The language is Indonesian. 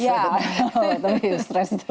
ya tapi stress juga